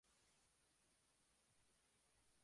Se trataba principalmente de campos de caza.